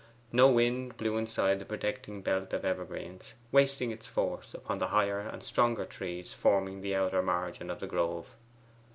No wind blew inside the protecting belt of evergreens, wasting its force upon the higher and stronger trees forming the outer margin of the grove.